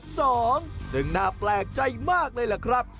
สองซึ่งน่าแปลกใจมากเลยล่ะครับ